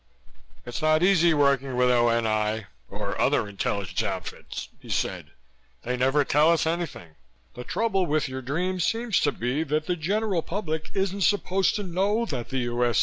"It's not easy working with O.N.I, or other intelligence outfits," he said. "They never tell us anything. The trouble with your dream seems to be that the general public isn't supposed to know that the U.S.S.